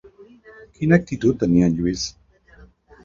Quina actitud tenia en Lluís?